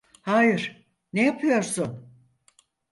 Hayır, ne yapıyorsun?